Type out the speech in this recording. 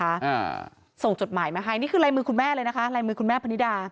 อันนี้คือลายมือคุณแม่เลยนะคะลายมือคุณแม่พนิดา